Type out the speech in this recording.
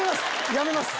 やめます！